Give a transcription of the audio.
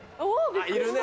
いるね